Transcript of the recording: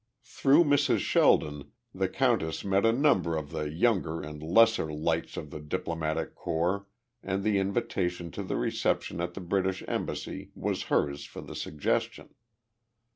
Through Mrs. Sheldon the countess met a number of the younger and lesser lights of the Diplomatic Corps and the invitation to the reception at the British Embassy was hers for the suggestion.